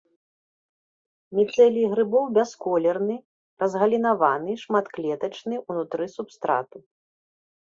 Міцэлій грыбоў бясколерны, разгалінаваны, шматклетачны, унутры субстрату.